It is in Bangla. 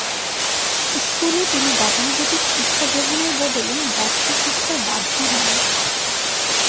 স্কুলে তিনি গতানুগতিক শিক্ষা গ্রহণের বদলে ব্যবসা শিক্ষায় বাধ্য হন।